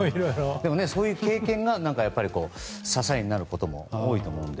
でも、そういう経験が支えになることも多いと思うので。